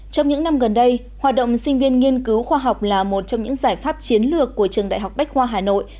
trong những năm gần đây hoạt động sinh viên nghiên cứu khoa học là một trong những giải pháp chiến lược của trường đại học bách khoa hà nội